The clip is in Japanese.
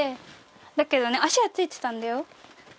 だけどね足はついてたんだよ。